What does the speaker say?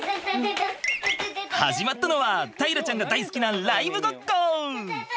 始まったのは大樂ちゃんが大好きなライブごっこ。